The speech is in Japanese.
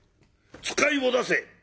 使いを出せ。